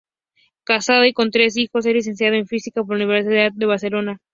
Casado y con tres hijos, es licenciado en física por la Universidad de Barcelona.